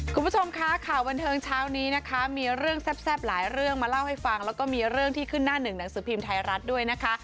คุณผู้ชมคะข่าวบันเทิงเช้านี้นะคะมีเรื่องแซ่บหลายเรื่องมาเล่าให้ฟังแล้วก็มีเรื่องที่ขึ้นหน้าหนึ่งหนังสือพิมพ์ไทยรัฐด้วยนะคะ